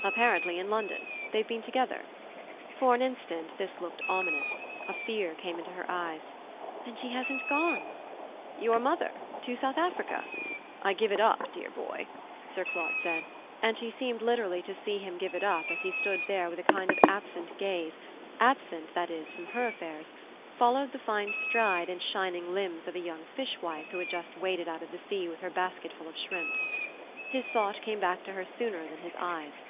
"Apparently in London. They've been together." For an instant this looked ominous a fear came into her eyes. "Then she hasn't gone?" "Your mother? to South Africa? I give it up, dear boy," Sir Claude said; and she seemed literally to see him give it up as he stood there and with a kind of absent gaze absent, that is, from HER affairs followed the fine stride and shining limbs of a young fishwife who had just waded out of the sea with her basketful of shrimps. His thought came back to her sooner than his eyes.